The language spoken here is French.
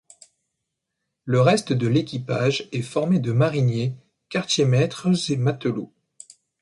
Le reste de l'équipage est formé de mariniers, quartiers-maîtres et matelots.